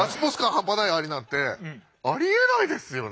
ハンパないアリなんてありえないですよね？